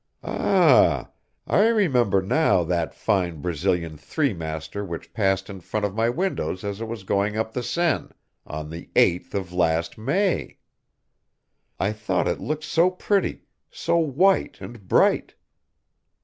Ah! I remember now that fine Brazilian three master which passed in front of my windows as it was going up the Seine, on the 8th of last May! I thought it looked so pretty, so white and bright!